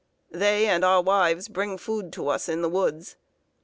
They and our wives bring food to us in the woods.